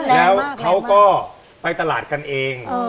แล้วเขาก็ไปตลาดกันเอง